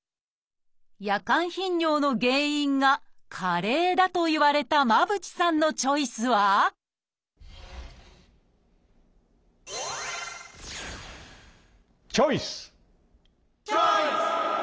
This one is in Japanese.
夜間頻尿の原因が加齢だと言われた間渕さんのチョイスはチョイス！